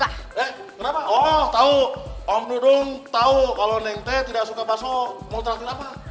eh kenapa oh tahu om dudung tahu kalau neng teh tidak suka bakso mau terakhir apa